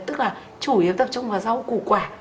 tức là chủ yếu tập trung vào rau củ quả